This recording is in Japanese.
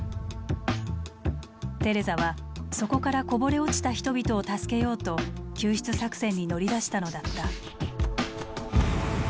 テレザはそこからこぼれ落ちた人々を助けようと救出作戦に乗り出したのだった。